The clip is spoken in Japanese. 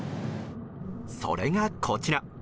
それがこちら。